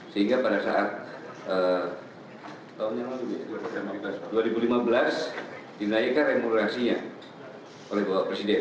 sehingga pada saat dua ribu lima belas dinaikkan remulasinya oleh bapak presiden